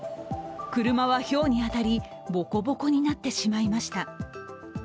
車はひょうに当たりボコボコになってしまいました。